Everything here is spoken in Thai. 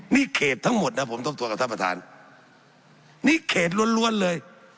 นี่เขตทั้งหมดนะผมต้องตรวจกับท่านประธานนี่เขตล้วนเลย